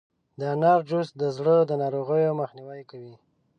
د انار جوس د زړه د ناروغیو مخنیوی کوي.